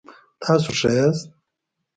تاسو ښه یاست؟